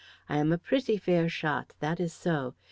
I am a pretty fair shot that is so.